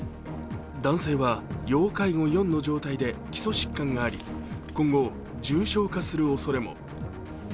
男性は、要介護４の状態で基礎疾患があり今後重症化するおそれも。